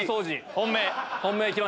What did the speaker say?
本命。